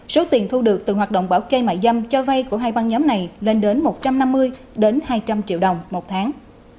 số tiền thu được từ hoạt động bảo kê mại dâm cho vay của hai băng nhóm này lên đến một trăm năm mươi hai trăm linh triệu đồng một tháng